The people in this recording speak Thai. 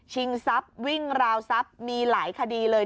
ทรัพย์วิ่งราวทรัพย์มีหลายคดีเลย